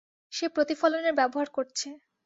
সে প্রতিফলনের ব্যবহার করছে।